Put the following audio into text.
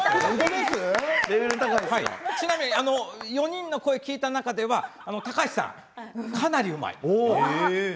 ４人の声を聞いた中では高橋さん、かなりうまい。